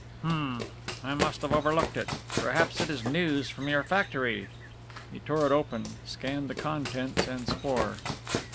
"H'm I must have overlooked it. Perhaps it is news from your factory." He tore it open, scanned the contents and swore.